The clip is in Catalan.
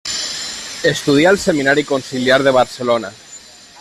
Estudià al Seminari Conciliar de Barcelona.